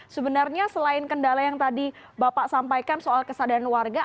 sebenarnya selain kendala yang tadi bapak sampaikan soal kesadaran warga